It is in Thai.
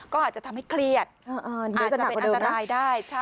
ก็อาจจะทำให้เครียดอาจจะเป็นอันตรายได้